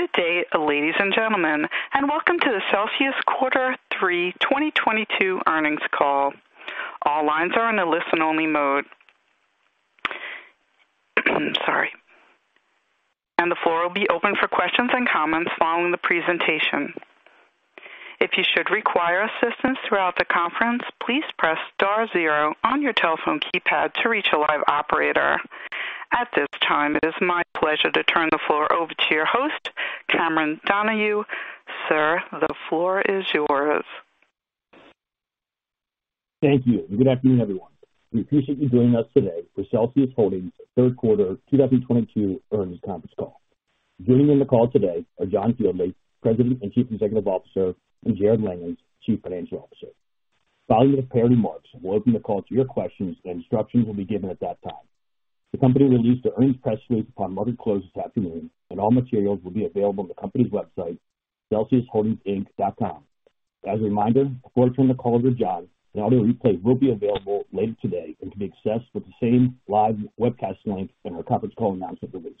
Good day, ladies and gentlemen, and welcome to the Celsius Quarter Three 2022 Earnings Call. All lines are in a listen-only mode. Sorry. The floor will be open for questions and comments following the presentation. If you should require assistance throughout the conference, please press star zero on your telephone keypad to reach a live operator. At this time, it is my pleasure to turn the floor over to your host, Cameron Donahue. Sir, the floor is yours. Thank you. Good afternoon, everyone. We appreciate you joining us today for Celsius Holdings Third Quarter 2022 Earnings Conference Call. Joining in the call today are John Fieldly, President and Chief Executive Officer, and Jarrod Langhans, Chief Financial Officer. Following the prepared remarks, we'll open the call to your questions, and instructions will be given at that time. The company released the earnings press release upon market close this afternoon, and all materials will be available on the company's website, celsiusholdingsinc.com. As a reminder, before I turn the call over to John, an audio replay will be available later today and can be accessed with the same live webcast link in our conference call announcement release.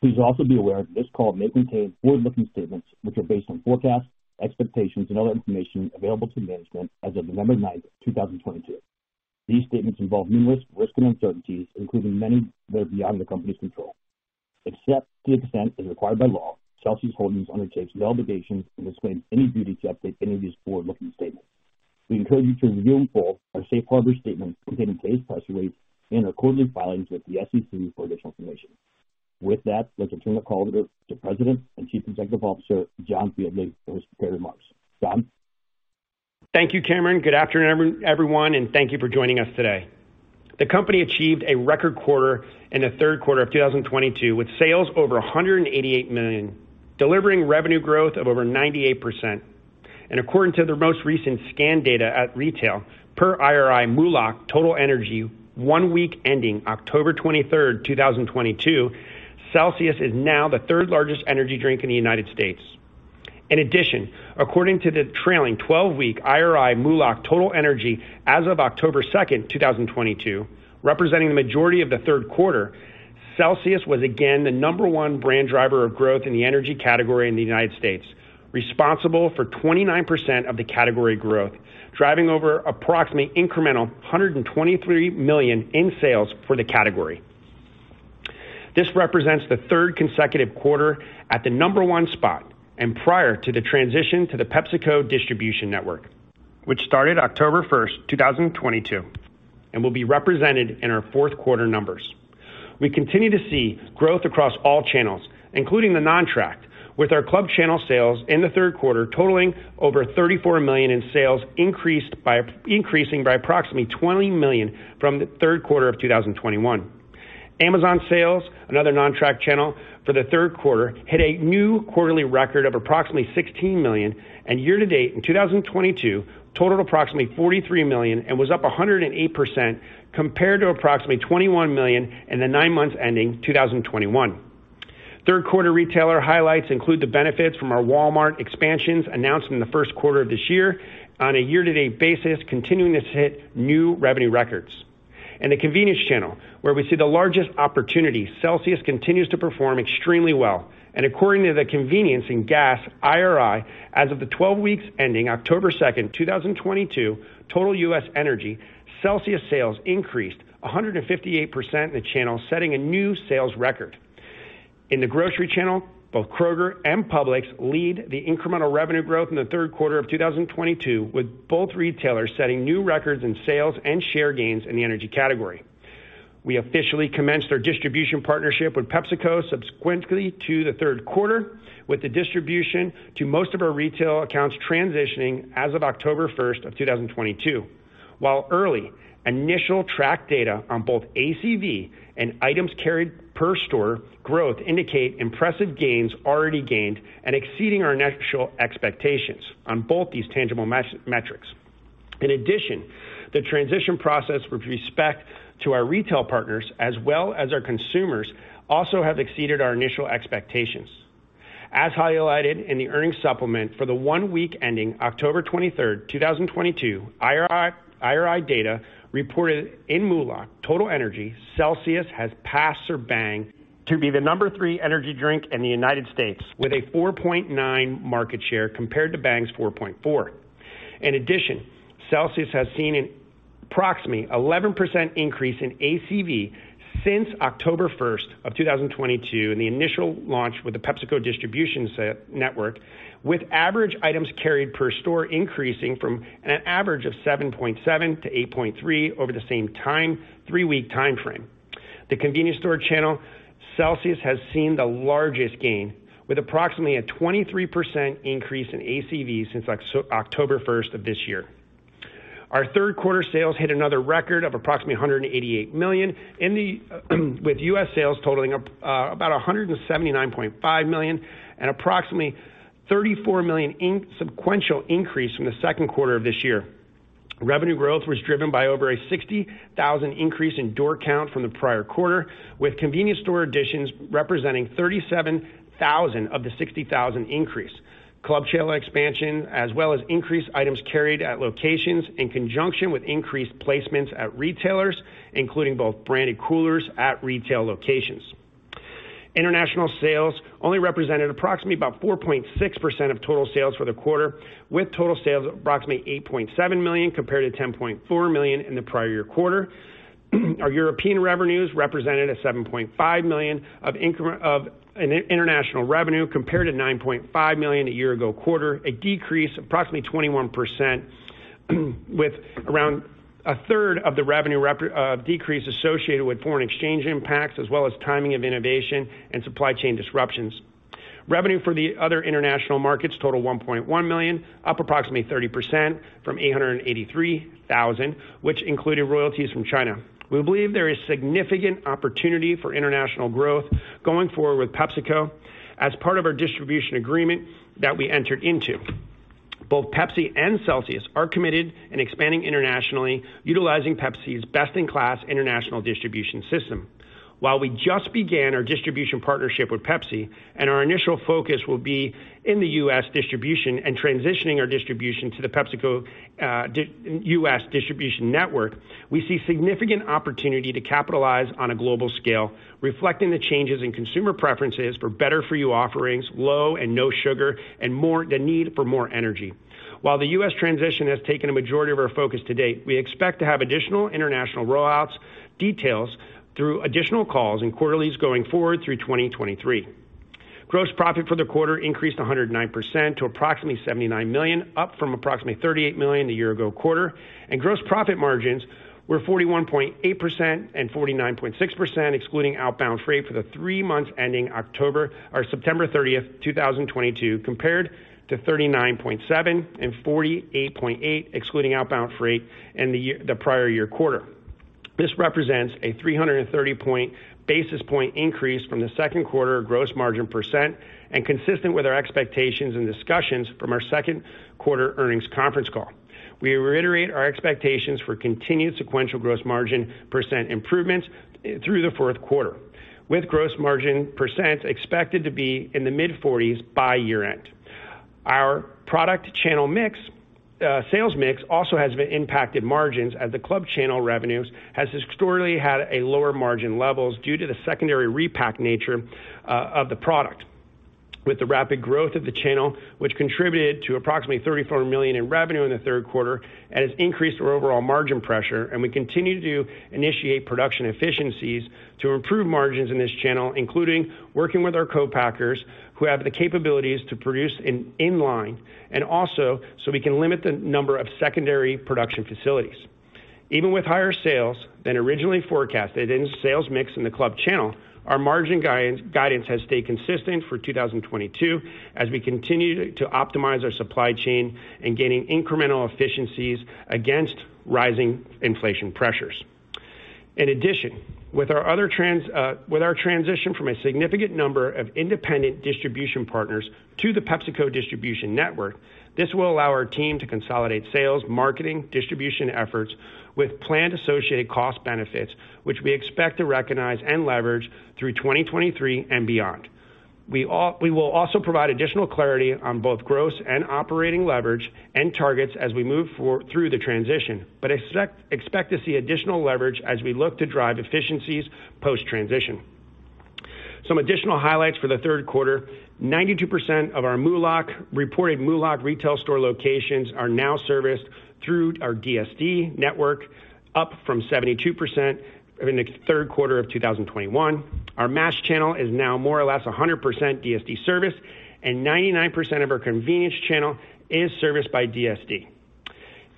Please also be aware that this call may contain forward-looking statements which are based on forecasts, expectations, and other information available to management as of November 9th, 2022. These statements involve numerous risks and uncertainties, including many that are beyond the company's control. Except to the extent required by law, Celsius Holdings undertakes no obligation or duty to update any of these forward-looking statements. We encourage you to review in full our safe harbor statement contained in today's press release and our quarterly filings with the SEC for additional information. With that, let's turn the call over to President and Chief Executive Officer John Fieldly for his prepared remarks. John? Thank you, Cameron. Good afternoon, everyone, and thank you for joining us today. The company achieved a record quarter in the third quarter of 2022, with sales over $188 million, delivering revenue growth of over 98%. According to the most recent scan data at retail per IRI MULO Total Energy, one week ending October 23rd, 2022, Celsius is now the third-largest energy drink in the United States. In addition, according to the trailing twelve-week IRI MULO Total Energy as of October 2nd, 2022, representing the majority of the third quarter, Celsius was again the number one brand driver of growth in the energy category in the United States, responsible for 29% of the category growth, driving over approximately incremental $123 million in sales for the category. This represents the third consecutive quarter at the number one spot and prior to the transition to the PepsiCo distribution network, which started October 1st, 2022, and will be represented in our fourth quarter numbers. We continue to see growth across all channels, including the non-tracked, with our club channel sales in the third quarter totaling over $34 million in sales increasing by approximately $20 million from the third quarter of 2021. Amazon sales, another non-tracked channel for the third quarter, hit a new quarterly record of approximately $16 million and year to date in 2022 totaled approximately $43 million and was up 108% compared to approximately $21 million in the nine months ending 2021. Third quarter retailer highlights include the benefits from our Walmart expansions announced in the first quarter of this year on a year-to-date basis, continuing to hit new revenue records. In the convenience channel, where we see the largest opportunity, Celsius continues to perform extremely well. According to the convenience and gas IRI, as of the 12 weeks ending October 2nd, 2022, total U.S. energy Celsius sales increased 158% in the channel, setting a new sales record. In the grocery channel, both Kroger and Publix lead the incremental revenue growth in the third quarter of 2022, with both retailers setting new records in sales and share gains in the energy category. We officially commenced our distribution partnership with PepsiCo subsequently to the third quarter, with the distribution to most of our retail accounts transitioning as of October 1, 2022. While early, initial track data on both ACV and items carried per store growth indicate impressive gains already gained and exceeding our initial expectations on both these tangible metrics. In addition, the transition process with respect to our retail partners as well as our consumers also have exceeded our initial expectations. As highlighted in the earnings supplement for the one week ending October 23, 2022, IRI data reported in MULO Total Energy, Celsius has surpassed Bang to be the number three energy drink in the United States with a 4.9% market share compared to Bang's 4.4%. In addition, Celsius has seen an approximately 11% increase in ACV since October 1, 2022 in the initial launch with the PepsiCo distribution network, with average items carried per store increasing from an average of 7.7 to 8.3 over the same three-week time frame. The convenience store channel Celsius has seen the largest gain, with approximately a 23% increase in ACV since October 1st of this year. Our third quarter sales hit another record of approximately $188 million, with US sales totaling up about $179.5 million and approximately $34 million sequential increase from the second quarter of this year. Revenue growth was driven by over a 60,000 increase in door count from the prior quarter, with convenience store additions representing 37,000 of the 60,000 increase, club channel expansion, as well as increased items carried at locations in conjunction with increased placements at retailers, including both branded coolers at retail locations. International sales only represented approximately about 4.6% of total sales for the quarter, with total sales approximately $8.7 million compared to $10.4 million in the prior year quarter. Our European revenues represented a $7.5 million of of an international revenue compared to $9.5 million a year ago quarter, a decrease approximately 21%, with around a third of the revenue decrease associated with foreign exchange impacts as well as timing of innovation and supply chain disruptions. Revenue for the other international markets total $1.1 million, up approximately 30% from $883,000, which included royalties from China. We believe there is significant opportunity for international growth going forward with PepsiCo as part of our distribution agreement that we entered into. Both Pepsi and Celsius are committed in expanding internationally, utilizing Pepsi's best-in-class international distribution system. While we just began our distribution partnership with Pepsi and our initial focus will be in the U.S. distribution and transitioning our distribution to the PepsiCo DSD U.S. distribution network, we see significant opportunity to capitalize on a global scale, reflecting the changes in consumer preferences for better for you offerings, low and no sugar, and the need for more energy. While the U.S. transition has taken a majority of our focus to date, we expect to have additional international rollouts, details through additional calls and quarterlies going forward through 2023. Gross profit for the quarter increased 109% to approximately $79 million, up from approximately $38 million a year ago quarter. Gross profit margins were 41.8% and 49.6% excluding outbound freight for the three months ending September 30th, 2022, compared to 39.7% and 48.8% excluding outbound freight in the prior year quarter. This represents a 330 basis point increase from the second quarter gross margin percent and consistent with our expectations and discussions from our second quarter earnings conference call. We reiterate our expectations for continued sequential gross margin % improvements, through the fourth quarter, with gross margin % expected to be in the mid-40s% by year-end. Our product channel mix, sales mix also has impacted margins as the club channel revenues has historically had a lower margin levels due to the secondary repack nature, of the product. With the rapid growth of the channel, which contributed to approximately $34 million in revenue in the third quarter, it has increased our overall margin pressure, and we continue to initiate production efficiencies to improve margins in this channel, including working with our co-packers who have the capabilities to produce in line, and also so we can limit the number of secondary production facilities. Even with higher sales than originally forecasted in sales mix in the club channel, our margin guidance has stayed consistent for 2022 as we continue to optimize our supply chain and gaining incremental efficiencies against rising inflation pressures. In addition, with our transition from a significant number of independent distribution partners to the PepsiCo distribution network, this will allow our team to consolidate sales, marketing, distribution efforts with planned associated cost benefits, which we expect to recognize and leverage through 2023 and beyond. We will also provide additional clarity on both gross and operating leverage and targets as we move through the transition. Expect to see additional leverage as we look to drive efficiencies post-transition. Some additional highlights for the third quarter. 92% of our MULO-reported MULO retail store locations are now serviced through our DSD network, up from 72% in the third quarter of 2021. Our mass channel is now more or less 100% DSD serviced, and 99% of our convenience channel is serviced by DSD.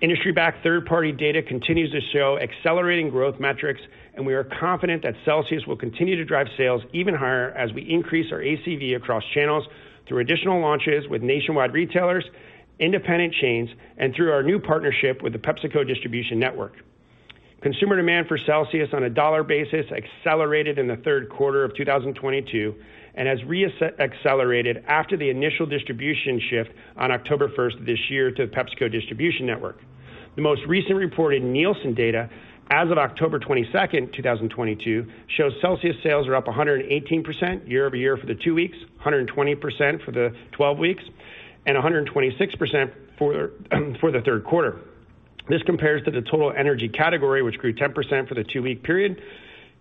Industry-backed third-party data continues to show accelerating growth metrics, and we are confident that Celsius will continue to drive sales even higher as we increase our ACV across channels through additional launches with nationwide retailers, independent chains, and through our new partnership with the PepsiCo distribution network. Consumer demand for Celsius on a dollar basis accelerated in the third quarter of 2022 and has accelerated after the initial distribution shift on October 1 this year to the PepsiCo distribution network. The most recent reported Nielsen data as of October 22nd, 2022, shows Celsius sales are up 118% year-over-year for the two weeks, 120% for the twelve weeks, and 126% for the third quarter. This compares to the total energy category, which grew 10% for the two-week period,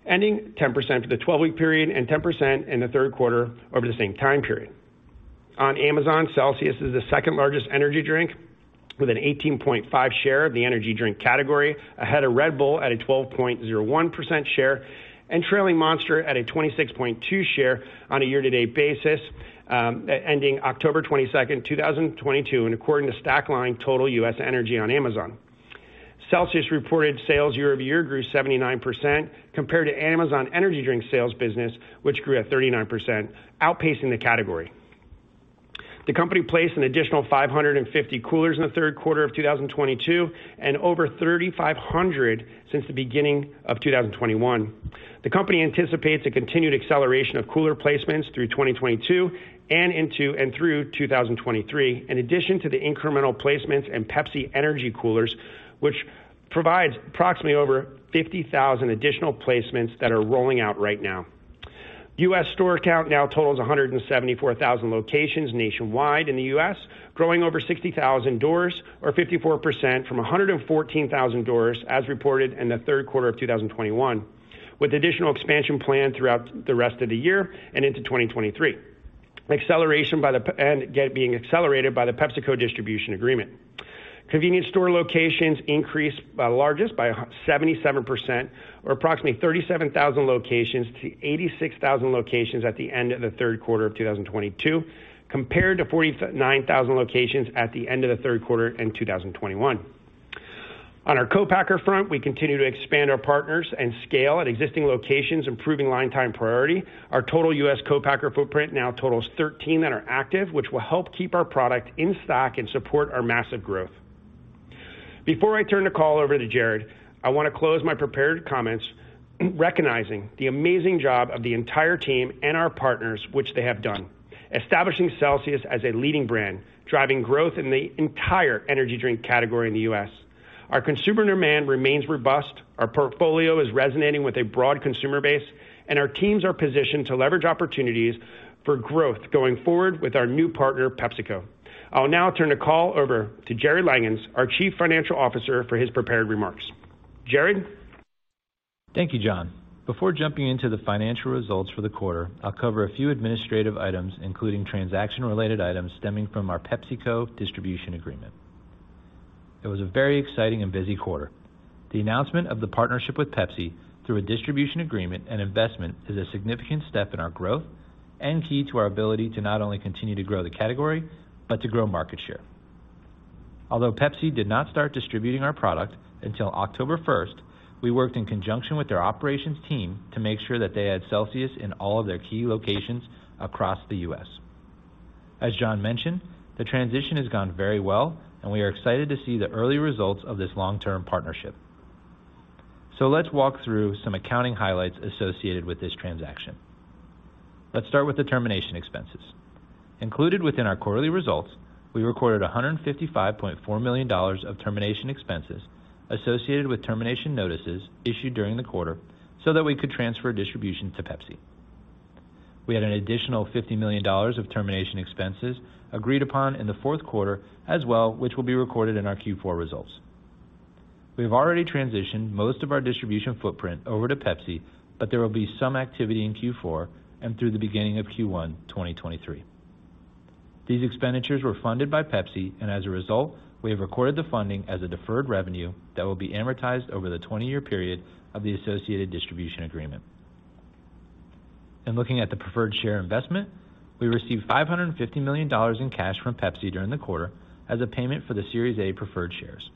ending 10% for the twelve-week period and 10% in the third quarter over the same time period. On Amazon, Celsius is the second-largest energy drink with an 18.5 share of the energy drink category, ahead of Red Bull at a 12.01% share and trailing Monster at a 26.2 share on a year-to-date basis, ending October 22, 2022, and according to Stackline total U.S. Energy on Amazon. Celsius reported sales year over year grew 79% compared to Amazon energy drink sales business, which grew at 39%, outpacing the category. The company placed an additional 550 coolers in the third quarter of 2022 and over 3,500 since the beginning of 2021. The company anticipates a continued acceleration of cooler placements through 2022 and into and through 2023, in addition to the incremental placements and Pepsi energy coolers, which provides approximately over 50,000 additional placements that are rolling out right now. US store count now totals 174,000 locations nationwide in the US, growing over 60,000 doors or 54% from 114,000 doors as reported in the third quarter of 2021, with additional expansion planned throughout the rest of the year and into 2023. It's being accelerated by the PepsiCo distribution agreement. Convenience store locations increased by 77% or approximately 37,000 locations to 86,000 locations at the end of the third quarter of 2022, compared to 49,000 locations at the end of the third quarter in 2021. On our co-packer front, we continue to expand our partners and scale at existing locations, improving line time priority. Our total U.S. co-packer footprint now totals 13 that are active, which will help keep our product in stock and support our massive growth. Before I turn the call over to Jarrod, I want to close my prepared comments recognizing the amazing job of the entire team and our partners which they have done, establishing Celsius as a leading brand, driving growth in the entire energy drink category in the U.S. Our consumer demand remains robust, our portfolio is resonating with a broad consumer base, and our teams are positioned to leverage opportunities for growth going forward with our new partner, PepsiCo. I'll now turn the call over to Jarrod Langhans, our chief financial officer, for his prepared remarks. Jarrod? Thank you, John. Before jumping into the financial results for the quarter, I'll cover a few administrative items, including transaction-related items stemming from our PepsiCo distribution agreement. It was a very exciting and busy quarter. The announcement of the partnership with Pepsi through a distribution agreement and investment is a significant step in our growth and key to our ability to not only continue to grow the category but to grow market share. Although Pepsi did not start distributing our product until October 1st, we worked in conjunction with their operations team to make sure that they had Celsius in all of their key locations across the U.S. As John mentioned, the transition has gone very well, and we are excited to see the early results of this long-term partnership. Let's walk through some accounting highlights associated with this transaction. Let's start with the termination expenses. Included within our quarterly results, we recorded $155.4 million of termination expenses associated with termination notices issued during the quarter so that we could transfer distribution to Pepsi. We had an additional $50 million of termination expenses agreed upon in the fourth quarter as well, which will be recorded in our Q4 results. We have already transitioned most of our distribution footprint over to Pepsi, but there will be some activity in Q4 and through the beginning of Q1 2023. These expenditures were funded by Pepsi, and as a result, we have recorded the funding as a deferred revenue that will be amortized over the twenty-year period of the associated distribution agreement. Looking at the preferred share investment, we received $550 million in cash from Pepsi during the quarter as a payment for the Series A preferred shares.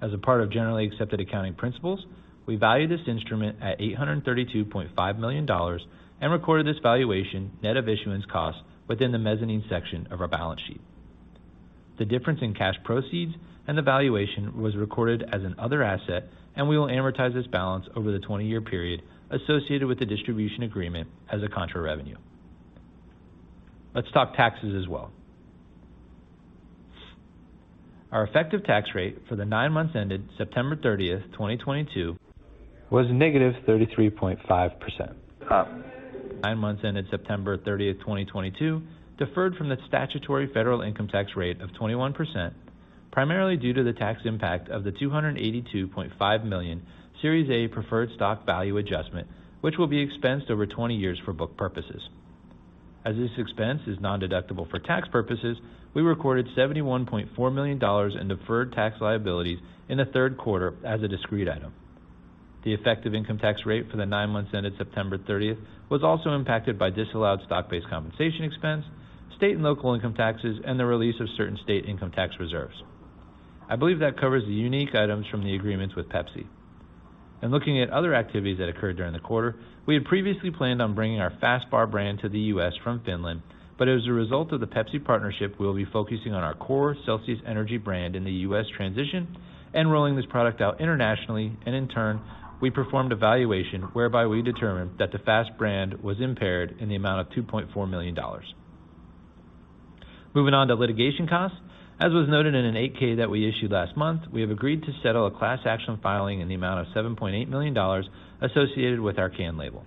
As a part of generally accepted accounting principles, we value this instrument at $832.5 million and recorded this valuation net of issuance costs within the mezzanine section of our balance sheet. The difference in cash proceeds and the valuation was recorded as another asset, and we will amortize this balance over the 20-year period associated with the distribution agreement as a contra revenue. Let's talk taxes as well. Our effective tax rate for the nine months ended September 30th, 2022 was -33.5%. Nine months ended September 30th, 2022, deferred from the statutory federal income tax rate of 21%, primarily due to the tax impact of the $282.5 million Series A preferred stock value adjustment, which will be expensed over 20 years for book purposes. As this expense is nondeductible for tax purposes, we recorded $71.4 million in deferred tax liabilities in the third quarter as a discrete item. The effective income tax rate for the nine months ended September 30th was also impacted by disallowed stock-based compensation expense, state and local income taxes, and the release of certain state income tax reserves. I believe that covers the unique items from the agreements with Pepsi. Looking at other activities that occurred during the quarter, we had previously planned on bringing our FAST Bar brand to the U.S. from Finland, but as a result of the Pepsi partnership, we will be focusing on our core Celsius Energy brand in the U.S. transition and rolling this product out internationally, and in turn, we performed evaluation whereby we determined that the FAST brand was impaired in the amount of $2.4 million. Moving on to litigation costs. As was noted in an 8-K that we issued last month, we have agreed to settle a class action filing in the amount of $7.8 million associated with our can label.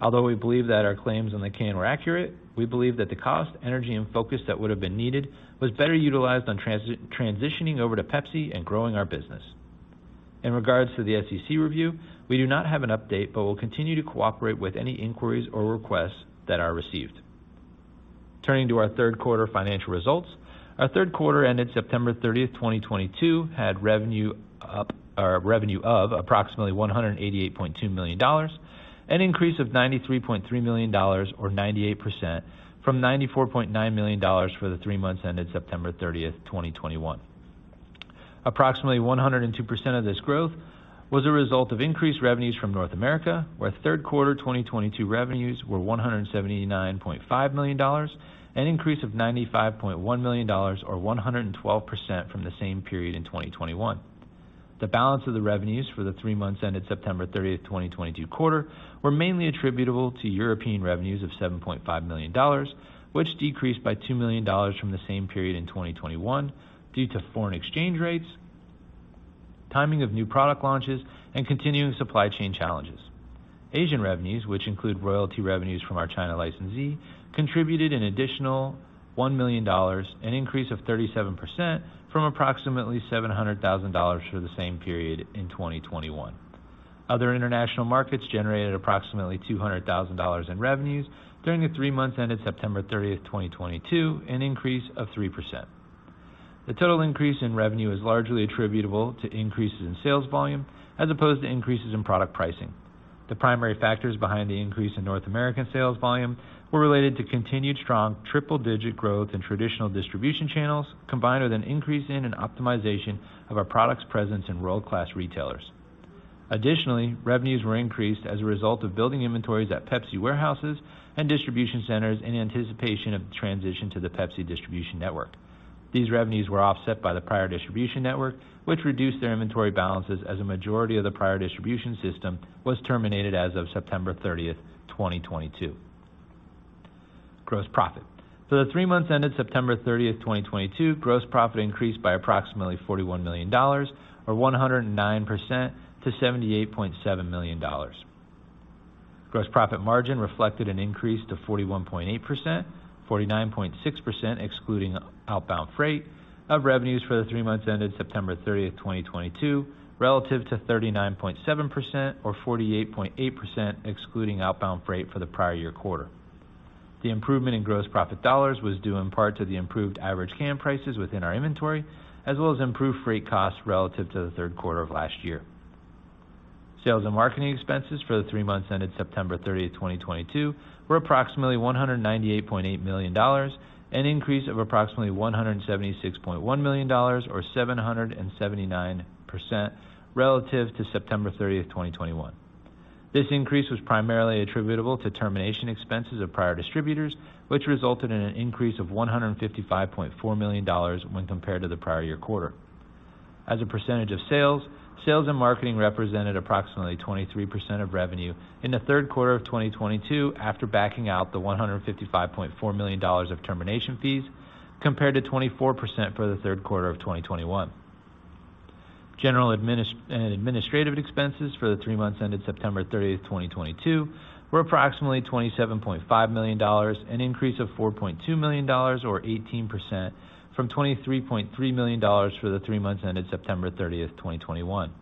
Although we believe that our claims on the can were accurate, we believe that the cost, energy, and focus that would have been needed was better utilized on transitioning over to Pepsi and growing our business. In regards to the SEC review, we do not have an update, but we'll continue to cooperate with any inquiries or requests that are received. Turning to our third quarter financial results. Our third quarter ended September 13th, 2022, had revenue of approximately $188.2 million, an increase of $93.3 million or 98% from $94.9 million for the three months ended September thirtieth, 2021. Approximately 102% of this growth was a result of increased revenues from North America, where third quarter 2022 revenues were $179.5 million, an increase of $95.1 million or 112% from the same period in 2021. The balance of the revenues for the three months ended September 30th, 2022 quarter were mainly attributable to European revenues of $7.5 million, which decreased by $2 million from the same period in 2021 due to foreign exchange rates, timing of new product launches, and continuing supply chain challenges. Asian revenues, which include royalty revenues from our China licensee, contributed an additional $1 million, an increase of 37% from approximately $700,000 for the same period in 2021. Other international markets generated approximately $200,000 in revenues during the three months ended September 30th, 2022, an increase of 3%. The total increase in revenue is largely attributable to increases in sales volume as opposed to increases in product pricing. The primary factors behind the increase in North American sales volume were related to continued strong triple-digit growth in traditional distribution channels, combined with an increase in and optimization of our products presence in world-class retailers. Additionally, revenues were increased as a result of building inventories at Pepsi warehouses and distribution centers in anticipation of the transition to the Pepsi distribution network. These revenues were offset by the prior distribution network, which reduced their inventory balances as a majority of the prior distribution system was terminated as of September 30th, 2022. Gross profit for the three months ended September 30th, 2022, gross profit increased by approximately $41 million or 109% to $78.7 million. Gross profit margin reflected an increase to 41.8%, 49.6% excluding outbound freight of revenues for the three months ended September 30th, 2022, relative to 39.7% or 48.8% excluding outbound freight for the prior year quarter. The improvement in gross profit dollars was due in part to the improved average can prices within our inventory, as well as improved freight costs relative to the third quarter of last year. Sales and marketing expenses for the three months ended September 30th, 2022 were approximately $198.8 million, an increase of approximately $176.1 million or 779% relative to September 30th, 2021. This increase was primarily attributable to termination expenses of prior distributors, which resulted in an increase of $155.4 million when compared to the prior year quarter. As a percentage of sales and marketing represented approximately 23% of revenue in the third quarter of 2022 after backing out the $155.4 million of termination fees, compared to 24% for the third quarter of 2021. General and administrative expenses for the three months ended September 30th, 2022 were approximately $27.5 million, an increase of $4.2 million or 18% from $23.3 million for the three months ended September 30th, 2021.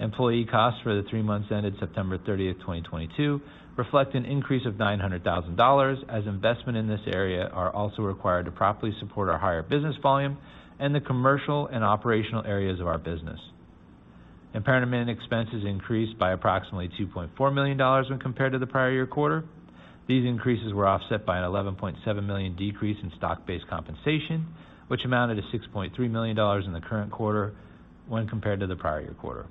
Employee costs for the three months ended September 30th, 2022 reflect an increase of $900 thousand as investment in this area are also required to properly support our higher business volume and the commercial and operational areas of our business. Impairment expenses increased by approximately $2.4 million when compared to the prior year quarter. These increases were offset by an $11.7 million decrease in stock-based compensation, which amounted to $6.3 million in the current quarter when compared to the prior year quarter.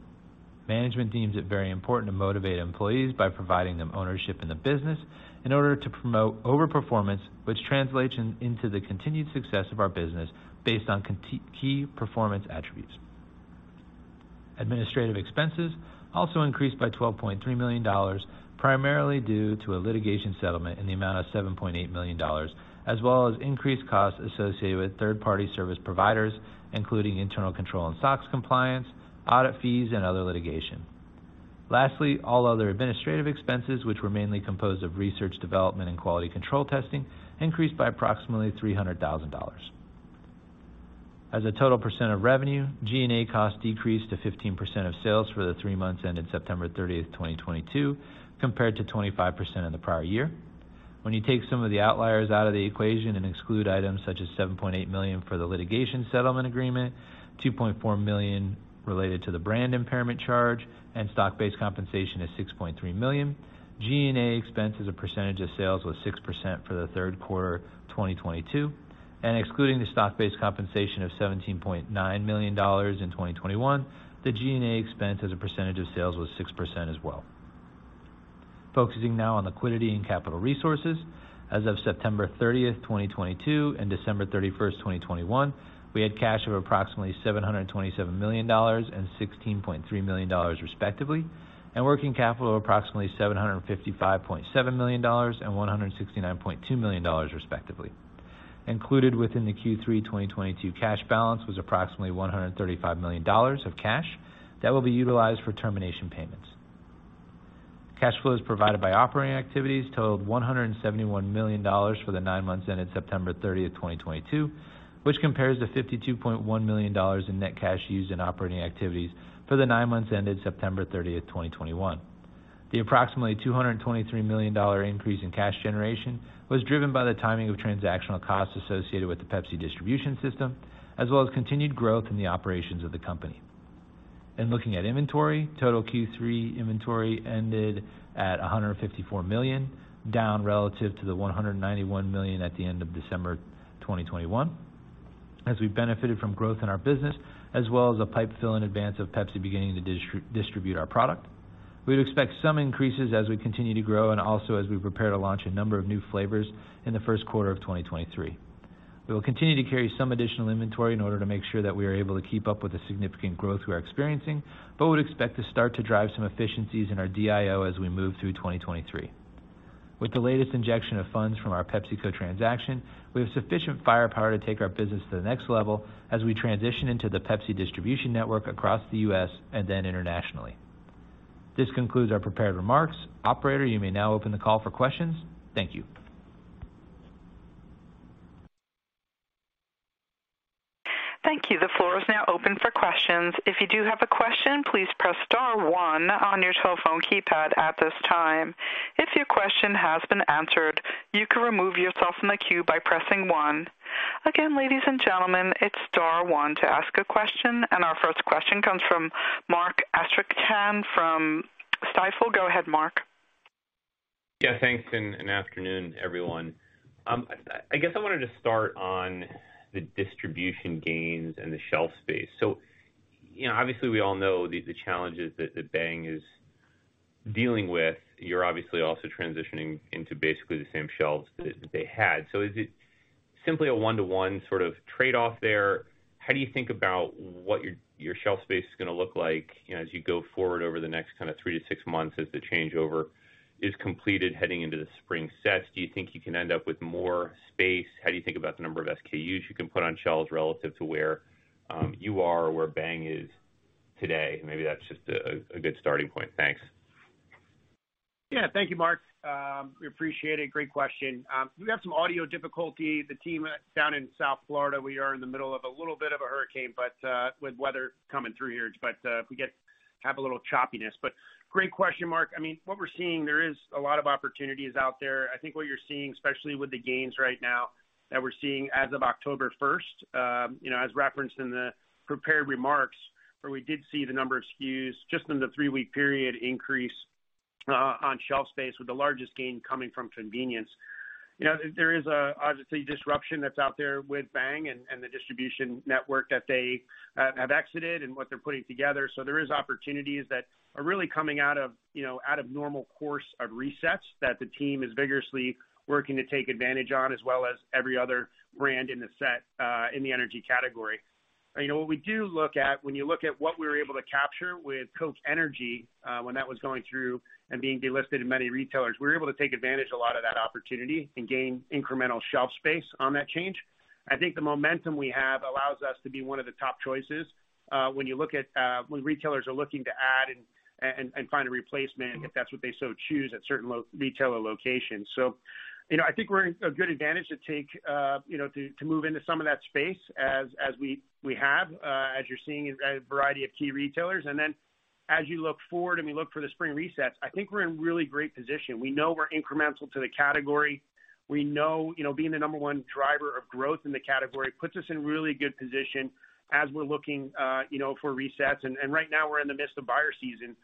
Management deems it very important to motivate employees by providing them ownership in the business in order to promote over-performance, which translates into the continued success of our business based on key performance attributes. Administrative expenses also increased by $12.3 million, primarily due to a litigation settlement in the amount of $7.8 million, as well as increased costs associated with third party service providers, including internal control and SOX compliance, audit fees, and other litigation. Lastly, all other administrative expenses, which were mainly composed of research, development, and quality control testing, increased by approximately $300,000. As a total percent of revenue, G&A costs decreased to 15% of sales for the three months ended September 30th, 2022, compared to 25% in the prior year. When you take some of the outliers out of the equation and exclude items such as $7.8 million for the litigation settlement agreement, $2.4 million related to the brand impairment charge, and stock-based compensation of $6.3 million, G&A expense as a percentage of sales was 6% for the third quarter 2022, and excluding the stock-based compensation of $17.9 million in 2021, the G&A expense as a percentage of sales was 6% as well. Focusing now on liquidity and capital resources. As of September 30th, 2022 and December 31st, 2021, we had cash of approximately $727 million and $16.3 million, respectively, and working capital of approximately $755.7 million and $169.2 million, respectively. Included within the Q3 2022 cash balance was approximately $135 million of cash that will be utilized for termination payments. Cash flows provided by operating activities totaled $171 million for the nine months ended September 30th, 2022, which compares to $52.1 million in net cash used in operating activities for the nine months ended September 30th, 2021. The approximately $223 million increase in cash generation was driven by the timing of transactional costs associated with the Pepsi distribution system, as well as continued growth in the operations of the company. Looking at inventory, total Q3 inventory ended at $154 million, down relative to the $191 million at the end of December 2021. As we benefited from growth in our business as well as a pipe fill in advance of Pepsi beginning to distribute our product. We would expect some increases as we continue to grow and also as we prepare to launch a number of new flavors in the first quarter of 2023. We will continue to carry some additional inventory in order to make sure that we are able to keep up with the significant growth we are experiencing, but would expect to start to drive some efficiencies in our DIO as we move through 2023. With the latest injection of funds from our PepsiCo transaction, we have sufficient firepower to take our business to the next level as we transition into the Pepsi distribution network across the U.S. and then internationally. This concludes our prepared remarks. Operator, you may now open the call for questions. Thank you. The floor is now open for questions. If you do have a question, please press star one on your telephone keypad at this time. If your question has been answered, you can remove yourself from the queue by pressing one. Again, ladies and gentlemen, it's star one to ask a question. Our first question comes from Mark Astrachan from Stifel. Go ahead, Mark. Yeah, thanks and good afternoon, everyone. I guess I wanted to start on the distribution gains and the shelf space. You know, obviously we all know the challenges that Bang is dealing with. You're obviously also transitioning into basically the same shelves that they had. Is it simply a 1-to-1 sort of trade-off there? How do you think about what your shelf space is gonna look like, you know, as you go forward over the next kind of 3-6 months as the changeover is completed heading into the spring sets? Do you think you can end up with more space? How do you think about the number of SKUs you can put on shelves relative to where you are or where Bang is today? Maybe that's just a good starting point. Thanks. Yeah. Thank you, Mark. We appreciate it. Great question. We have some audio difficulty. The team down in South Florida, we are in the middle of a little bit of a hurricane, but with weather coming through here. If we have a little choppiness. Great question, Mark. I mean, what we're seeing there is a lot of opportunities out there. I think what you're seeing, especially with the gains right now that we're seeing as of October first, you know, as referenced in the prepared remarks, where we did see the number of SKUs just in the three-week period increase, on shelf space, with the largest gain coming from convenience. You know, there is obviously a disruption that's out there with Bang and the distribution network that they have exited and what they're putting together. There is opportunities that are really coming out of, you know, out of normal course of resets that the team is vigorously working to take advantage on, as well as every other brand in the set, in the energy category. You know, what we do look at when you look at what we were able to capture with Coca-Cola Energy, when that was going through and being delisted in many retailers, we were able to take advantage a lot of that opportunity and gain incremental shelf space on that change. I think the momentum we have allows us to be one of the top choices, when you look at, when retailers are looking to add and find a replacement, if that's what they so choose at certain retailer locations. You know, I think we're in a good advantage to take, you know, to move into some of that space as we have, as you're seeing a variety of key retailers. As you look forward and we look for the spring resets, I think we're in really great position. We know we're incremental to the category. We know, you know, being the number one driver of growth in the category puts us in really good position as we're looking, you know, for resets. Right now we're in the midst of buyer season,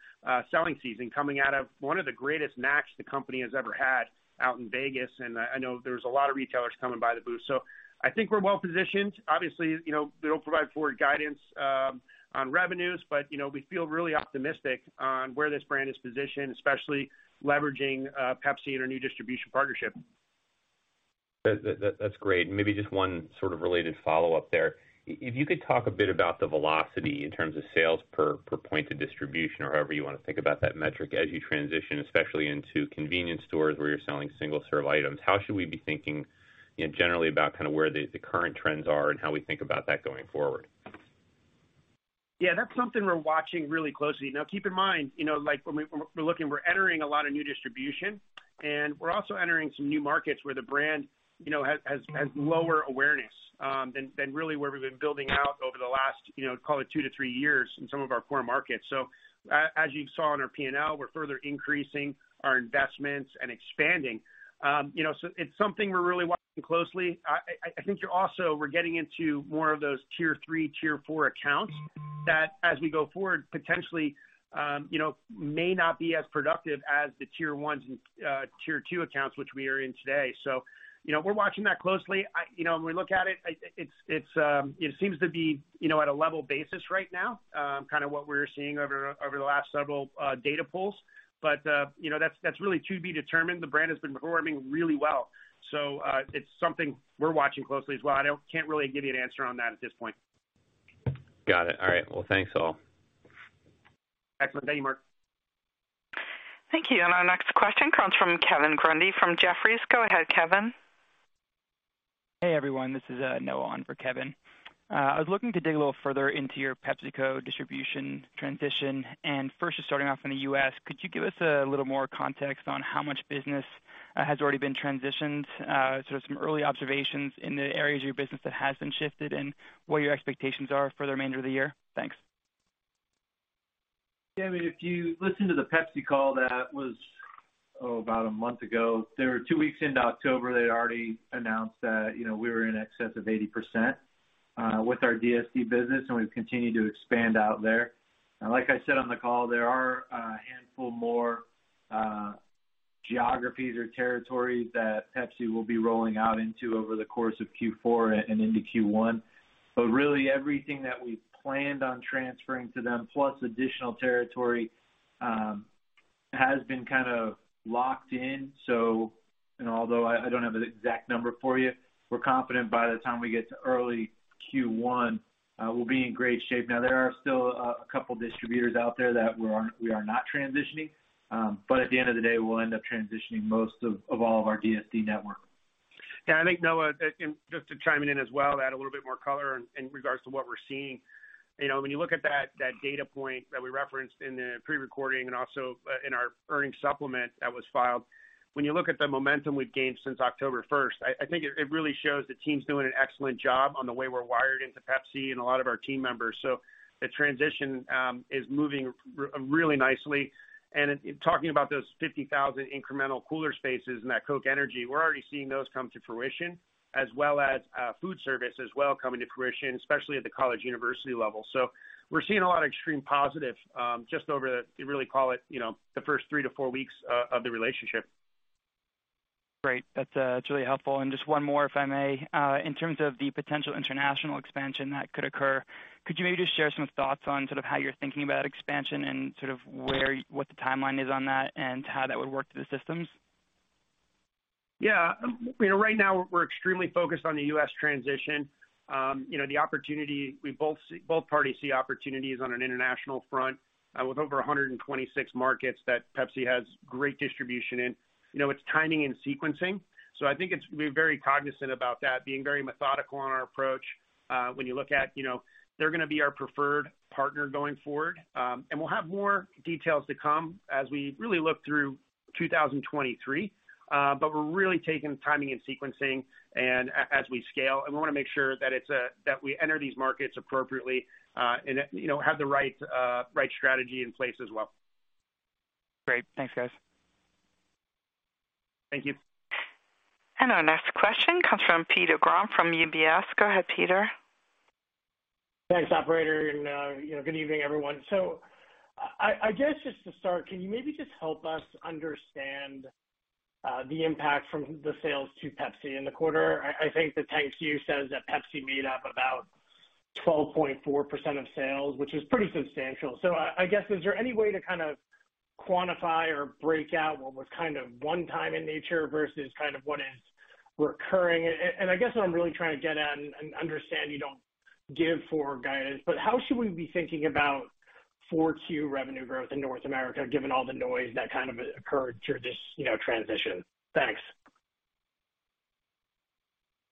selling season, coming out of one of the greatest shows the company has ever had out in Vegas. I know there's a lot of retailers coming by the booth. I think we're well positioned. Obviously, you know, we don't provide forward guidance on revenues, but, you know, we feel really optimistic on where this brand is positioned, especially leveraging Pepsi in our new distribution partnership. That's great. Maybe just one sort of related follow-up there. If you could talk a bit about the velocity in terms of sales per point of distribution or however you wanna think about that metric as you transition, especially into convenience stores where you're selling single-serve items. How should we be thinking, you know, generally about kind of where the current trends are and how we think about that going forward? Yeah, that's something we're watching really closely. Now, keep in mind, you know, like when we're looking, we're entering a lot of new distribution, and we're also entering some new markets where the brand, you know, has lower awareness than really where we've been building out over the last, you know, call it two to three years in some of our core markets. As you saw in our P&L, we're further increasing our investments and expanding. You know, it's something we're really watching closely. I think we're getting into more of those tier 3, tier 4 accounts that, as we go forward, potentially, you know, may not be as productive as the tier 1s and tier 2 accounts which we are in today. You know, we're watching that closely. You know, when we look at it seems to be, you know, at a level basis right now, kind of what we're seeing over the last several data points. You know, that's really to be determined. The brand has been performing really well, so it's something we're watching closely as well. I can't really give you an answer on that at this point. Got it. All right. Well, thanks, all. Excellent. Thank you, Mark. Thank you. Our next question comes from Kevin Grundy from Jefferies. Go ahead, Kevin. Hey, everyone, this is Noah on for Kevin. I was looking to dig a little further into your PepsiCo distribution transition. First, just starting off in the U.S., could you give us a little more context on how much business has already been transitioned? So some early observations in the areas of your business that has been shifted and what your expectations are for the remainder of the year. Thanks. Yeah, I mean, if you listen to the Pepsi call that was about a month ago, they were two weeks into October, they had already announced that, you know, we were in excess of 80% with our DSD business, and we've continued to expand out there. Like I said on the call, there are a handful more geographies or territories that Pepsi will be rolling out into over the course of Q4 and into Q1. But really everything that we planned on transferring to them, plus additional territory, has been kind of locked in. You know, although I don't have an exact number for you, we're confident by the time we get to early Q1, we'll be in great shape. Now, there are still a couple distributors out there that we are not transitioning. At the end of the day, we'll end up transitioning most of all of our DSD network. Yeah, I think, Noah, just to chime in as well to add a little bit more color in regards to what we're seeing. You know, when you look at that data point that we referenced in the pre-recording and also in our earnings supplement that was filed, when you look at the momentum we've gained since October first, I think it really shows the team's doing an excellent job on the way we're wired into Pepsi and a lot of our team members. The transition is moving really nicely. In talking about those 50,000 incremental cooler spaces and that Coca-Cola Energy, we're already seeing those come to fruition, as well as food service coming to fruition, especially at the college university level. We're seeing a lot of extremely positive, you know, the first three to four weeks of the relationship. Great. That's really helpful. Just one more, if I may. In terms of the potential international expansion that could occur, could you maybe just share some thoughts on sort of how you're thinking about expansion and sort of what the timeline is on that and how that would work through the systems? Yeah. You know, right now we're extremely focused on the U.S. transition. You know, both parties see opportunities on an international front, with over 126 markets that Pepsi has great distribution in. You know, it's timing and sequencing. I think we're very cognizant about that, being very methodical in our approach. When you look at, you know, they're gonna be our preferred partner going forward. We'll have more details to come as we really look through 2023. We're really taking timing and sequencing and as we scale, and we wanna make sure that we enter these markets appropriately, and that we have the right strategy in place as well. Great. Thanks, guys. Thank you. Our next question comes from Peter Grom from UBS. Go ahead, Peter. Thanks, operator. You know, good evening, everyone. I guess, just to start, can you maybe just help us understand the impact from the sales to Pepsi in the quarter? I think the 10-Q says that Pepsi made up about 12.4% of sales, which is pretty substantial. I guess, is there any way to kind of quantify or break out what was kind of one-time in nature versus kind of what is recurring? And I guess what I'm really trying to get at and understand, you don't give forward guidance, but how should we be thinking about 4Q revenue growth in North America, given all the noise that kind of occurred through this, you know, transition? Thanks.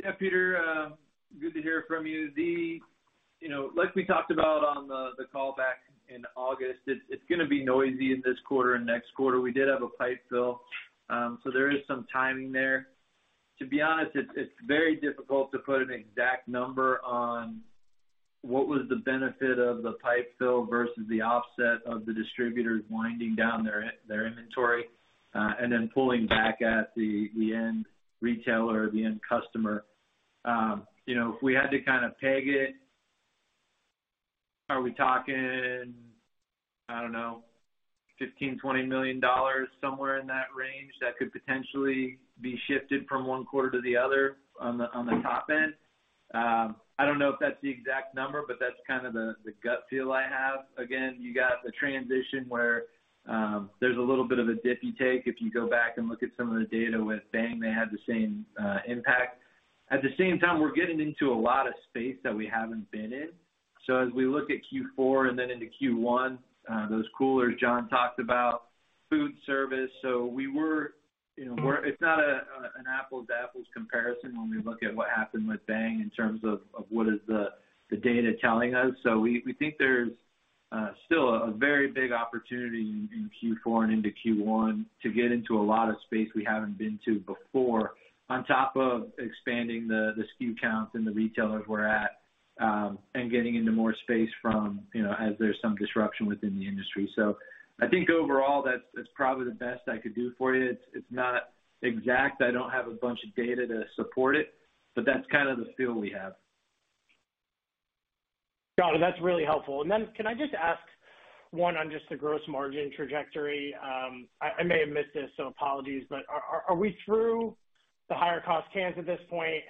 Yeah, Peter, good to hear from you. You know, like we talked about on the call back in August, it's gonna be noisy in this quarter and next quarter. We did have a pipe fill, so there is some timing there. To be honest, it's very difficult to put an exact number on what was the benefit of the pipe fill versus the offset of the distributors winding down their inventory, and then pulling back at the end retailer or the end customer. You know, if we had to kind of peg it, are we talking, I don't know, $15 million-$20 million, somewhere in that range that could potentially be shifted from one quarter to the other on the top end? I don't know if that's the exact number, but that's kind of the gut feel I have. Again, you got the transition where there's a little bit of a dip you take if you go back and look at some of the data with Bang, they had the same impact. At the same time, we're getting into a lot of space that we haven't been in. As we look at Q4 and then into Q1, those coolers John talked about, food service. We were, you know, it's not an apples to apples comparison when we look at what happened with Bang in terms of what is the data telling us. We think there's still a very big opportunity in Q4 and into Q1 to get into a lot of space we haven't been to before, on top of expanding the SKU counts and the retailers we're at, and getting into more space from, you know, as there's some disruption within the industry. I think overall, that's probably the best I could do for you. It's not exact. I don't have a bunch of data to support it, but that's kind of the feel we have. Got it. That's really helpful. Can I just ask one on just the gross margin trajectory? I may have missed this, so apologies, but are we through the higher cost cans at this point?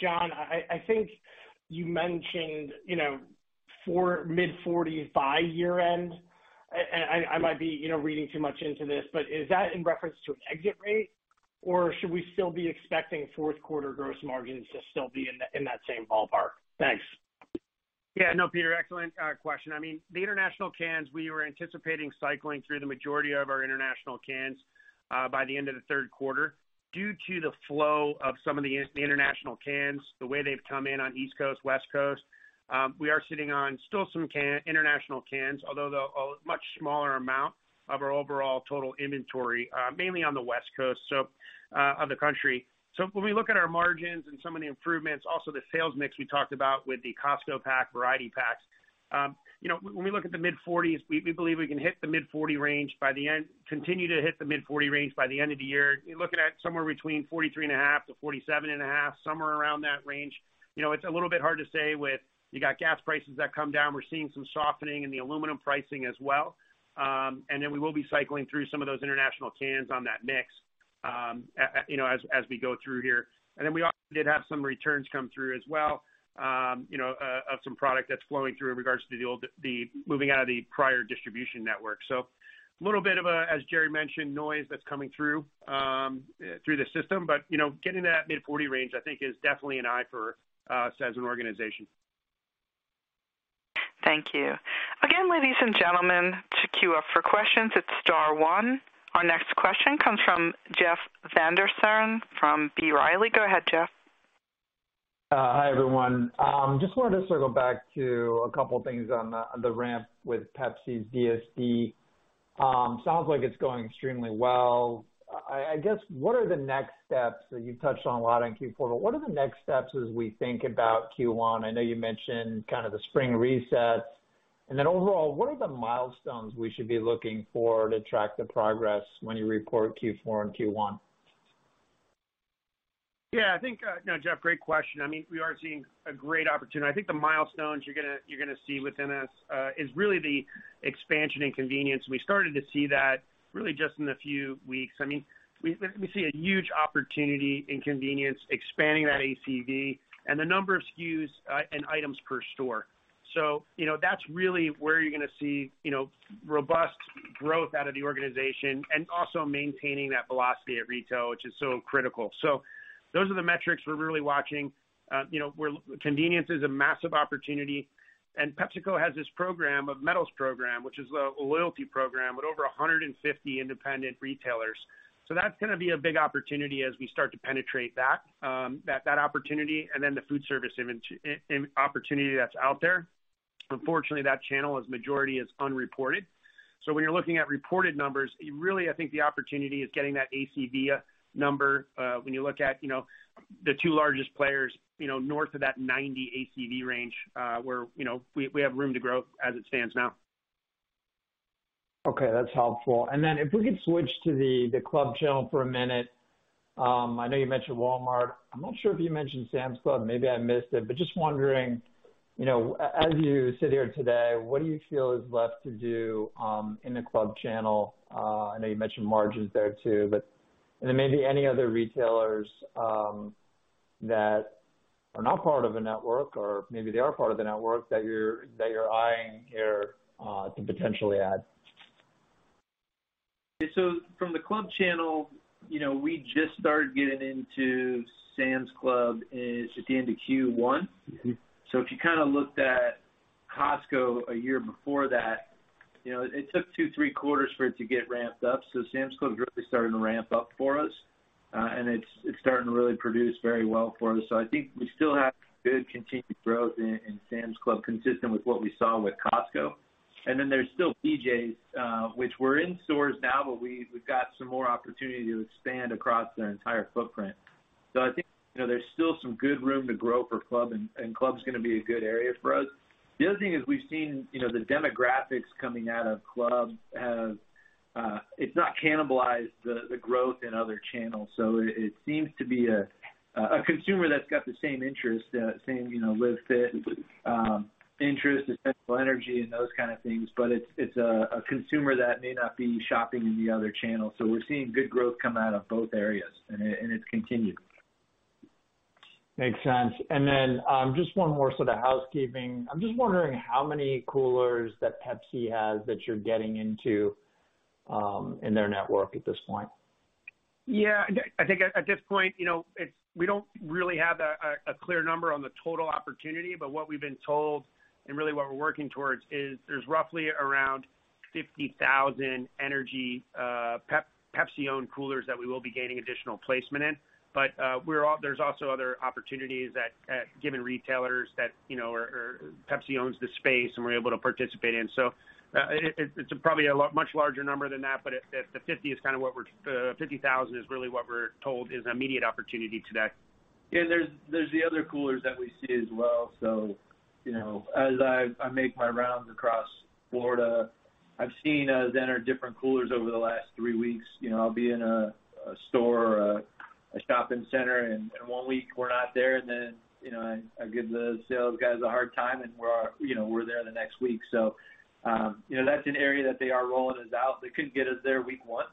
John, I think you mentioned, you know, mid-forties by year-end. I might be, you know, reading too much into this, but is that in reference to an exit rate, or should we still be expecting fourth quarter gross margins to still be in that same ballpark? Thanks. Yeah. No, Peter, excellent question. I mean, the international cans, we were anticipating cycling through the majority of our international cans by the end of the third quarter. Due to the flow of some of the international cans, the way they've come in on East Coast, West Coast, we are sitting on still some international cans, although they're a much smaller amount of our overall total inventory, mainly on the West Coast of the country. When we look at our margins and some of the improvements, also the sales mix we talked about with the Costco pack, variety packs. You know, when we look at the mid-40s%, we believe we can hit the mid-40% range by the end—continue to hit the mid-40% range by the end of the year. You're looking at somewhere between 43.5% to 47.5%, somewhere around that range. It's a little bit hard to say with you got gas prices that come down. We're seeing some softening in the aluminum pricing as well. Then we will be cycling through some of those international cans on that mix, as we go through here. Then we also did have some returns come through as well, of some product that's flowing through in regards to the moving out of the prior distribution network. A little bit of a, as Jarrod mentioned, noise that's coming through the system. Getting to that mid-40 range, I think is definitely a high for us as an organization. Thank you. Again, ladies and gentlemen, to queue up for questions, it's star one. Our next question comes from Jeff Van Sinderen from B. Riley. Go ahead, Jeff. Hi, everyone. Just wanted to circle back to a couple of things on the ramp with Pepsi's DSD. Sounds like it's going extremely well. I guess, what are the next steps that you touched on a lot on Q4? What are the next steps as we think about Q1? I know you mentioned kind of the spring reset, and then overall, what are the milestones we should be looking for to track the progress when you report Q4 and Q1? Yeah, I think, no, Jeff, great question. I mean, we are seeing a great opportunity. I think the milestones you're gonna see within this is really the expansion and convenience. We started to see that really just in a few weeks. I mean, we see a huge opportunity in convenience, expanding that ACV and the number of SKUs and items per store. So, you know, that's really where you're gonna see, you know, robust growth out of the organization and also maintaining that velocity at retail, which is so critical. So those are the metrics we're really watching. You know, convenience is a massive opportunity, and PepsiCo has this program, a medals program, which is a loyalty program with over 150 independent retailers. That's gonna be a big opportunity as we start to penetrate that opportunity and then the food service opportunity that's out there. Unfortunately, that channel is majority unreported. When you're looking at reported numbers, really, I think the opportunity is getting that ACV number when you look at, you know, the two largest players, you know, north of that 90 ACV range, where, you know, we have room to grow as it stands now. Okay. That's helpful. Then if we could switch to the club channel for a minute. I know you mentioned Walmart. I'm not sure if you mentioned Sam's Club. Maybe I missed it, but just wondering, you know, as you sit here today, what do you feel is left to do in the club channel? I know you mentioned margins there too, but. Then maybe any other retailers that are not part of the network or maybe they are part of the network that you're eyeing here to potentially add. From the club channel, you know, we just started getting into Sam's Club at the end of Q1. Mm-hmm. If you kinda looked at Costco a year before that, you know, it took 2, 3 quarters for it to get ramped up. Sam's Club is really starting to ramp up for us, and it's starting to really produce very well for us. I think we still have good continued growth in Sam's Club, consistent with what we saw with Costco. Then there's still BJ's, which we're in stores now, but we've got some more opportunity to expand across their entire footprint. I think, you know, there's still some good room to grow for club, and club's gonna be a good area for us. The other thing is we've seen, you know, the demographics coming out of club have, it's not cannibalized the growth in other channels. It seems to be a consumer that's got the same interest, same, you know, Live Fit, interest, Essential Energy and those kind of things, but it's a consumer that may not be shopping in the other channels. We're seeing good growth come out of both areas, and it's continued. Makes sense. Just one more sort of housekeeping. I'm just wondering how many coolers that Pepsi has that you're getting into, in their network at this point? Yeah. I think at this point, you know, we don't really have a clear number on the total opportunity. What we've been told and really what we're working towards is there's roughly around 50,000 Pepsi owned coolers that we will be gaining additional placement in. There's also other opportunities at given retailers that, you know, Pepsi owns the space, and we're able to participate in. It's probably a lot much larger number than that, but the 50,000 is really what we're told is immediate opportunity today. Yeah. There's the other coolers that we see as well. You know, as I make my rounds across Florida, I've seen us enter different coolers over the last three weeks. You know, I'll be in a store or a shopping center, and one week we're not there, and then you know, I give the sales guys a hard time, and we're there the next week. You know, that's an area that they are rolling us out. They could get us there week 1,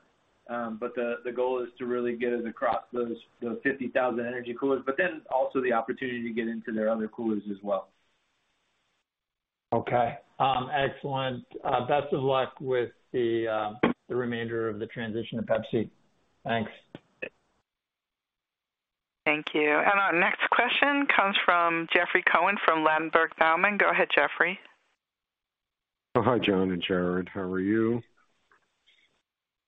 but the goal is to really get us across those 50,000 energy coolers, but then also the opportunity to get into their other coolers as well. Okay. Excellent. Best of luck with the remainder of the transition to Pepsi. Thanks. Thank you. Our next question comes from Jeffrey Cohen from Ladenburg Thalmann. Go ahead, Jeffrey. Oh, hi, John and Jared. How are you?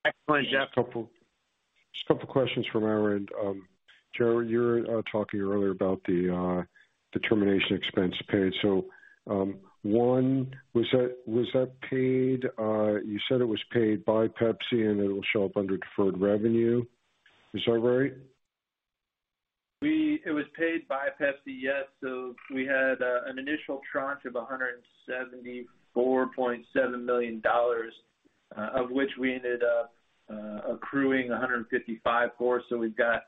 Excellent, Jeff. Just a couple questions from our end. Jarrod, you were talking earlier about the termination expense paid. One, was that paid? You said it was paid by Pepsi, and it'll show up under deferred revenue. Is that right? It was paid by Pepsi, yes. We had an initial tranche of $174.7 million, of which we ended up accruing 155 for. We've got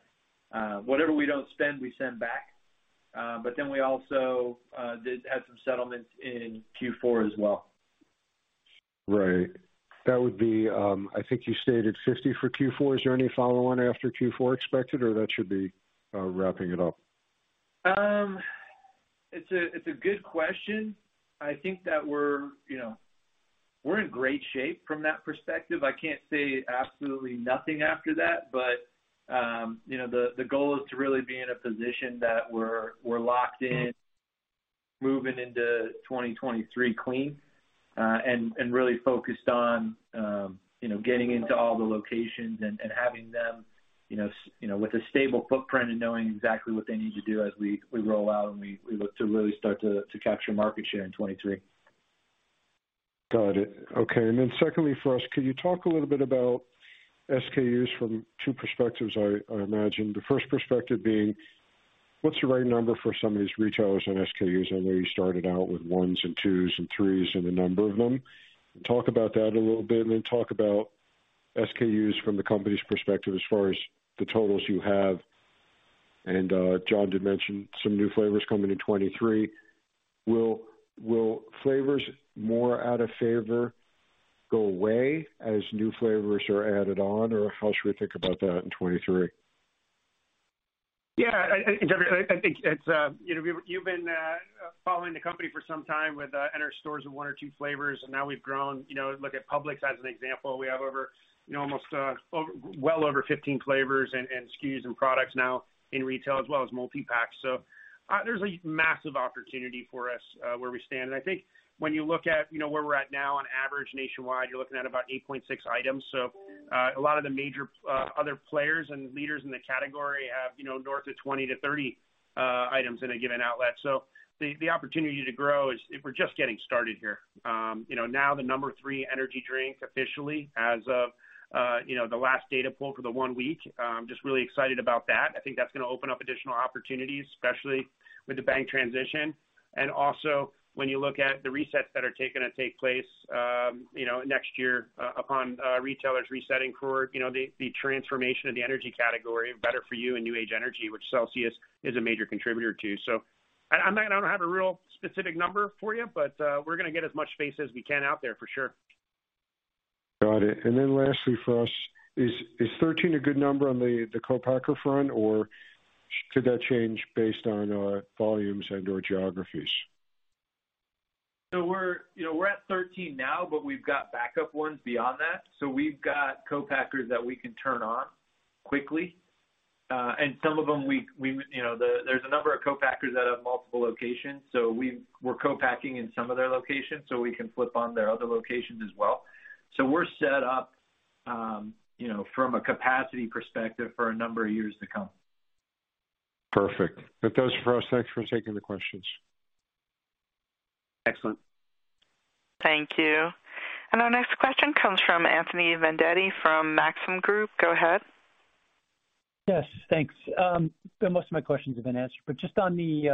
whatever we don't spend, we send back. We also did have some settlements in Q4 as well. Right. That would be, I think you stated 50 for Q4. Is there any follow-on after Q4 expected or that should be wrapping it up? It's a good question. I think that we're, you know. We're in great shape from that perspective. I can't say absolutely nothing after that, but, you know, the goal is to really be in a position that we're locked in, moving into 2023 clean, and really focused on, you know, getting into all the locations and having them, you know, with a stable footprint and knowing exactly what they need to do as we roll out and we look to really start to capture market share in 2023. Got it. Okay. Then secondly, for us, could you talk a little bit about SKUs from two perspectives, I imagine. The first perspective being what's the right number for some of these retailers and SKUs? I know you started out with ones and twos and threes and a number of them. Talk about that a little bit, and then talk about SKUs from the company's perspective as far as the totals you have. John did mention some new flavors coming in 2023. Will flavors more out of favor go away as new flavors are added on, or how should we think about that in 2023? Yeah. I think it's, you know, you've been following the company for some time with in the stores in one or two flavors, and now we've grown. You know, look at Publix as an example. We have well over 15 flavors and SKUs and products now in retail as well as multi-pack. There's a massive opportunity for us where we stand. I think when you look at, you know, where we're at now on average nationwide, you're looking at about 8.6 items. A lot of the major other players and leaders in the category have, you know, north of 20-30 items in a given outlet. The opportunity to grow is we're just getting started here. You know, now the number three energy drink officially as of, you know, the last data pull for the 1 week. Just really excited about that. I think that's gonna open up additional opportunities, especially with the Bang transition. Also when you look at the resets that are gonna take place, you know, next year, upon retailers resetting for, you know, the transformation of the energy category, better for you and New Age Energy, which Celsius is a major contributor to. I'm not gonna have a real specific number for you, but we're gonna get as much space as we can out there for sure. Got it. Lastly for us, is 13 a good number on the co-packer front, or could that change based on volumes and/or geographies? We're, you know, we're at 13 now, but we've got backup ones beyond that. We've got co-packers that we can turn on quickly. And some of them, you know, there's a number of co-packers that have multiple locations, so we're co-packing in some of their locations, so we can flip on their other locations as well. We're set up, you know, from a capacity perspective for a number of years to come. Perfect. That's for us. Thanks for taking the questions. Excellent. Thank you. Our next question comes from Anthony Vendetti from Maxim Group. Go ahead. Yes, thanks. Most of my questions have been answered, just on the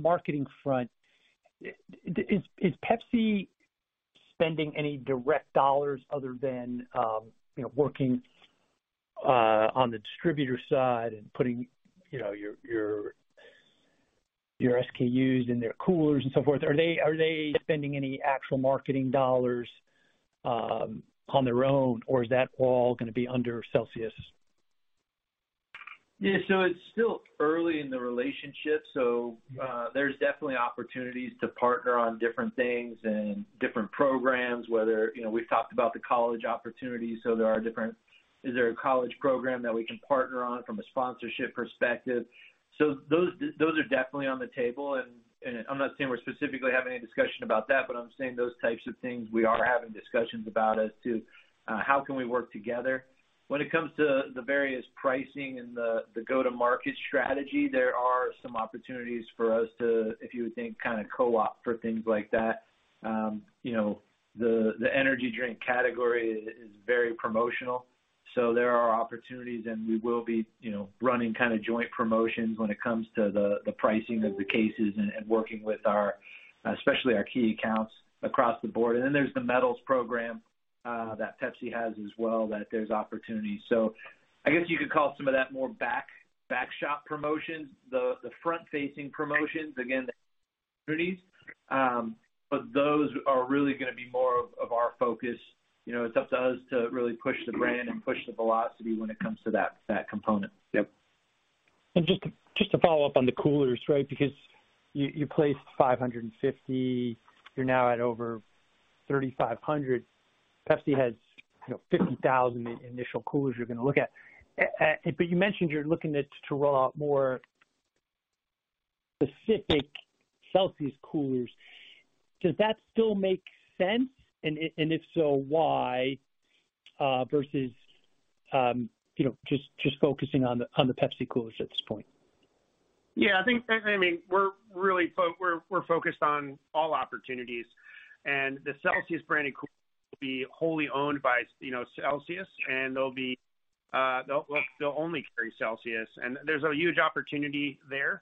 marketing front. Is Pepsi spending any direct dollars other than you know working on the distributor side and putting you know your SKUs in their coolers and so forth? Are they spending any actual marketing dollars on their own, or is that all gonna be under Celsius? Yeah. It's still early in the relationship, so there's definitely opportunities to partner on different things and different programs, whether, you know, we've talked about the college opportunities. Is there a college program that we can partner on from a sponsorship perspective? Those are definitely on the table. I'm not saying we're specifically having any discussion about that, but I'm saying those types of things we are having discussions about as to how we can work together. When it comes to the various pricing and the go-to-market strategy, there are some opportunities for us to, if you would think, kind of co-op for things like that. You know, the energy drink category is very promotional, so there are opportunities and we will be, you know, running kind of joint promotions when it comes to the pricing of the cases and working with our, especially our key accounts across the board. There's the MEDALS program that Pepsi has as well that there's opportunities. I guess you could call some of that more back shop promotions. The front facing promotions, again, the opportunities. Those are really gonna be more of our focus. You know, it's up to us to really push the brand and push the velocity when it comes to that component. Yep. Just to follow up on the coolers, right? Because you placed 550, you're now at over 3,500. Pepsi has, you know, 50,000 initial coolers you're gonna look at. But you mentioned you're looking to roll out more specific Celsius coolers. Does that still make sense? And if so, why, versus, you know, just focusing on the Pepsi coolers at this point? I think, I mean, we're really focused on all opportunities, and the Celsius branded cooler will be wholly owned by, you know, Celsius, and they'll only carry Celsius. There's a huge opportunity there.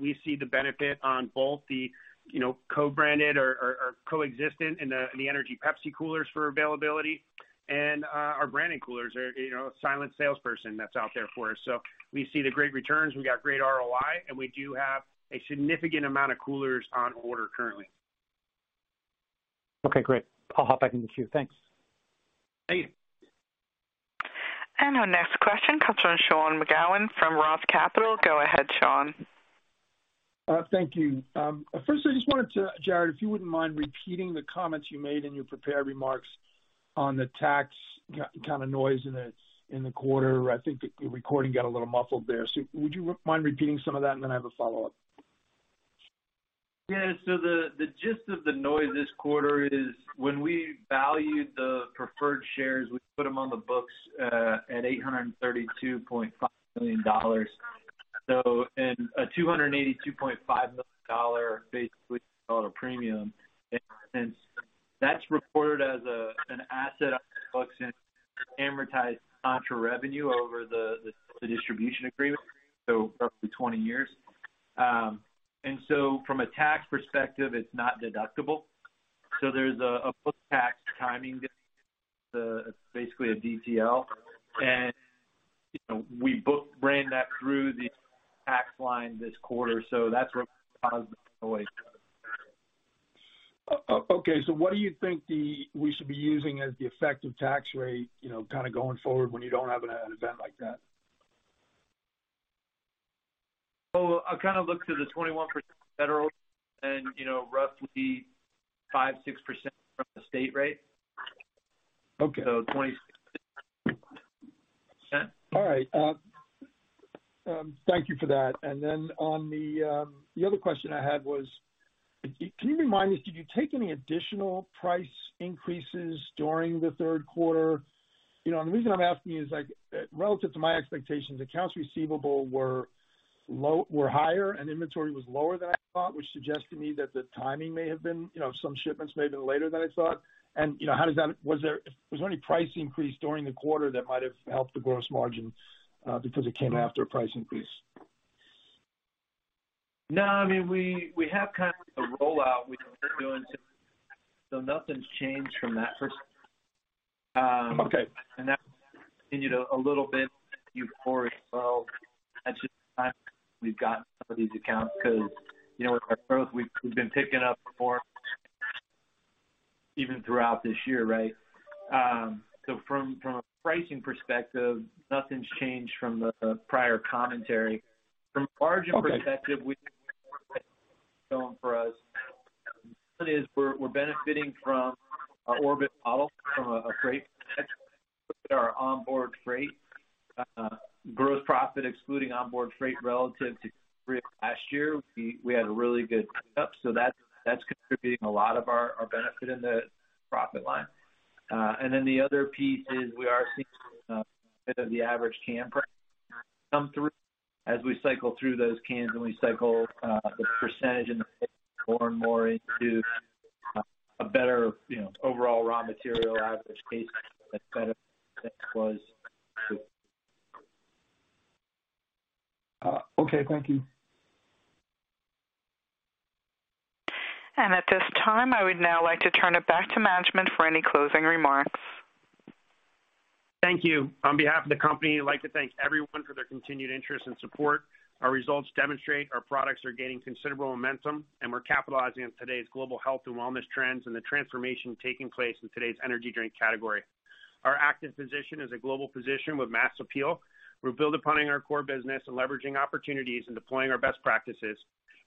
We see the benefit on both the, you know, co-branded or coexistent in the energy Pepsi coolers for availability. Our branded coolers are, you know, a silent salesperson that's out there for us. We see the great returns, we got great ROI, and we do have a significant amount of coolers on order currently. Okay, great. I'll hop back in the queue. Thanks. Thank you. Our next question comes from Sean McGowan from ROTH Capital. Go ahead, Sean. Thank you. First, I just wanted to, Jarrod, if you wouldn't mind repeating the comments you made in your prepared remarks on the tax kind of noise in the quarter. I think the recording got a little muffled there. Would you mind repeating some of that? Then I have a follow-up. Yeah. The gist of the noise this quarter is when we valued the preferred shares, we put them on the books at $832.5 million. It's a $282.5 million dollar premium, basically call it a premium. Since that's reported as an asset on the books and amortized onto revenue over the distribution agreement, so roughly 20 years. From a tax perspective, it's not deductible. There's a book-tax timing, basically a DTL. You know, we booked that through the tax line this quarter. That's what caused the noise. Okay. What do you think we should be using as the effective tax rate, you know, kind of going forward when you don't have an event like that? I kind of look to the 21% federal and, you know, roughly 5%-6% from the state rate. Okay. 26. All right. Thank you for that. On the other question I had was, can you remind me, did you take any additional price increases during the third quarter? You know, and the reason I'm asking you is, like, relative to my expectations, accounts receivable were higher and inventory was lower than I thought, which suggested to me that the timing may have been, you know, some shipments may have been later than I thought. You know, how does that? If there's any price increase during the quarter that might have helped the gross margin because it came after a price increase. No, I mean, we have kind of a rollout we've been doing, so nothing's changed from that perspective. Okay. That continued a little bit Q4 as well. That's just we've got some of these accounts 'cause, you know, with our growth, we've been picking up more even throughout this year, right? From a pricing perspective, nothing's changed from the prior commentary. From margin perspective. Okay. We Okay. Thank you. At this time, I would now like to turn it back to management for any closing remarks. Thank you. On behalf of the company, I'd like to thank everyone for their continued interest and support. Our results demonstrate our products are gaining considerable momentum, and we're capitalizing on today's global health and wellness trends and the transformation taking place in today's energy drink category. Our active position is a global position with mass appeal. We're building upon our core business and leveraging opportunities and deploying our best practices.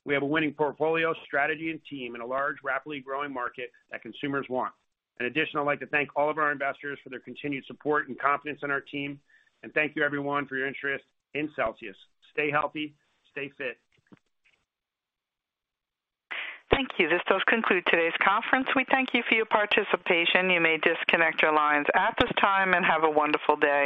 We have a winning portfolio, strategy and team in a large, rapidly growing market that consumers want. In addition, I'd like to thank all of our investors for their continued support and confidence in our team. Thank you everyone for your interest in Celsius. Stay healthy, stay fit. Thank you. This does conclude today's conference. We thank you for your participation. You may disconnect your lines at this time and have a wonderful day.